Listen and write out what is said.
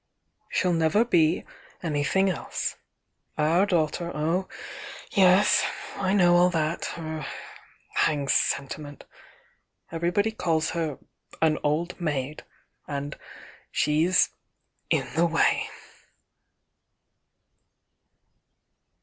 She'll never be anything else! Our daugh ter, oh, yes! — I know all that! — hang sentiment! Everybody calls her an old maid — and she's in the way."